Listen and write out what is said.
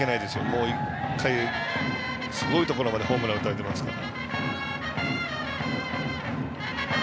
もうすでに１回すごいところでホームラン打たれてますから。